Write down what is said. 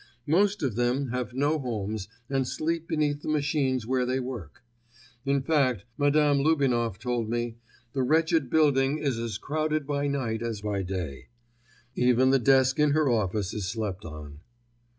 Most of them have no homes and sleep beneath the machines where they work. In fact, Madame Lubinoff told me, the wretched building is as crowded by night as by day. Even the desk in her office is slept on.